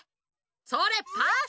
それっパス！